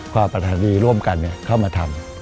ประธานดีร่วมกันเข้ามาทำ